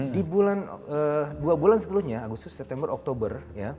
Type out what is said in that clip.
di dua bulan setelahnya agustus september oktober